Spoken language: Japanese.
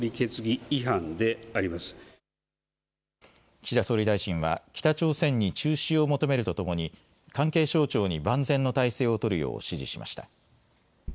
岸田総理大臣は北朝鮮に中止を求めるとともに関係省庁に万全の態勢を取るよう指示しました。